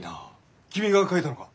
君が描いたのか？